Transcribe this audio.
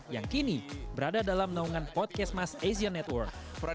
yang kini berada dalam naungan podcast mas asian network